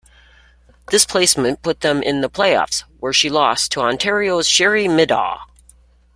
This placement put them in the playoffs, where she lost to Ontario's Sherry Middaugh.